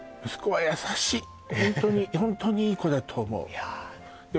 ホントにホントにいい子だと思う